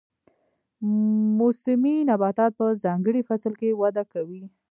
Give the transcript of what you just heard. موسمي نباتات په ځانګړي فصل کې وده کوي